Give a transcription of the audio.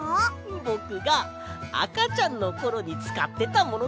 ぼくがあかちゃんのころにつかってたものだぞ。